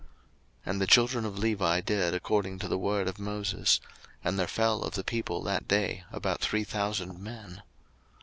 02:032:028 And the children of Levi did according to the word of Moses: and there fell of the people that day about three thousand men.